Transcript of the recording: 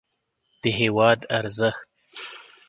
د هېواد ارزښت